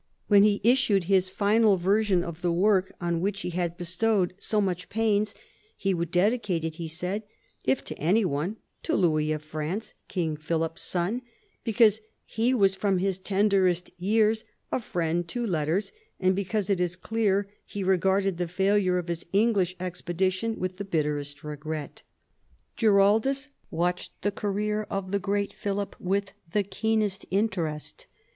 When he issued his final version of the work, on which he had bestowed so much pains, he would dedicate it, he said, if to any one, to Louis of France, King Philip's son, because he was from his tenderest years a friend to letters, and because, it is clear, he regarded the failure of his English expedition with the bitterest regret. Girarldus watched the career of the great Philip with the keenest interest.